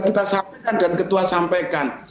kita sampaikan dan ketua sampaikan